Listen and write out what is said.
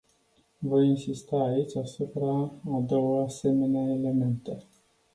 Voi insista aici asupra a două asemenea elemente.